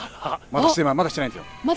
まだしてないですよ！